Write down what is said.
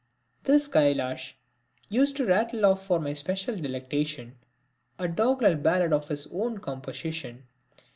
This Kailash used to rattle off for my special delectation a doggerel ballad of his own composition.